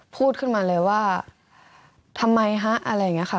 พูดขึ้นมาเลยว่าทำไมฮะอะไรอย่างนี้ค่ะ